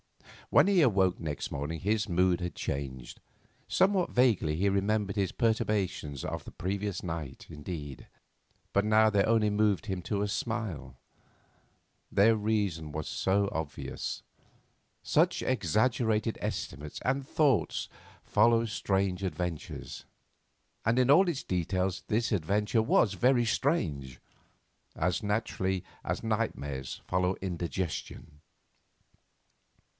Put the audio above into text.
When he awoke next morning his mood had changed. Somewhat vaguely he remembered his perturbations of the previous night indeed, but now they only moved him to a smile. Their reasons were so obvious. Such exaggerated estimates and thoughts follow strange adventures—and in all its details this adventure was very strange—as naturally as nightmares follow indigestion.